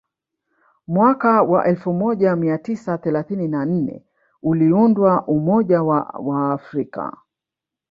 Mwaka elfu moja mia tisa thelathini na nne uliundwa umoja wa Waafrika